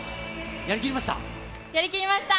やりきりました？